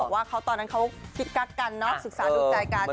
ถ้าบอกว่าตอนนั้นเขาคิดกักกันเนอะศึกษาลูกใจกัน